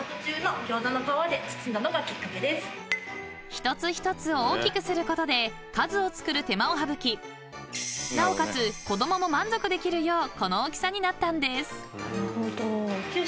［一つ一つを大きくすることで数を作る手間を省きなおかつ子供も満足できるようこの大きさになったんです］